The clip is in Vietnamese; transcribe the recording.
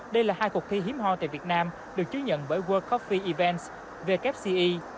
đây là hai cuộc thi hiếm hoa tại việt nam được chứa nhận bởi world coffee events vfce